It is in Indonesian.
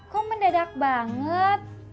kok mendadak banget